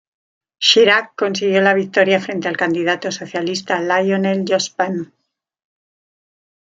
Chirac consiguió la victoria frente al candidato socialista Lionel Jospin.